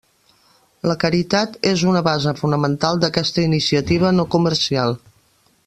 La caritat és una base fonamental d'aquesta iniciativa no comercial.